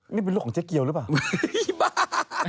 นี่เป็นเรื่องของเจ๊เกียวหรือเปล่า